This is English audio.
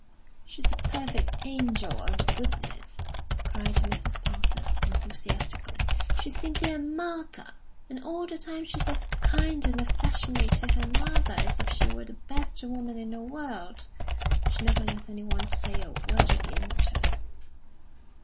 "She's a perfect angel of goodness!" cried Mrs. Parsons, enthusiastically. "She's simply a martyr, and all the time she's as kind and affectionate to her mother as if she were the best woman in the world. She never lets anyone say a word against her."